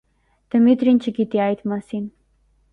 Դմիտրին չգիտի այդ մասին։